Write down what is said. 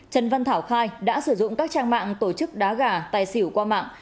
trần văn thảo khai đã sử dụng các trang mạng tổ chức đá gà tài xỉu qua mạng